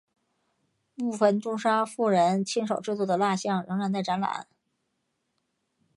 部分杜莎夫人亲手制作的蜡象仍然在展览。